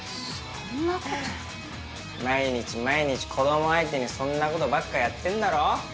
毎日毎日子供相手にそんなことばっかやってんだろ。